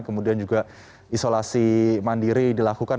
kemudian juga isolasi mandiri dilakukan